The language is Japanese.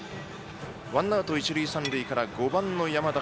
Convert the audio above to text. ワンアウト一塁三塁から５番の山田。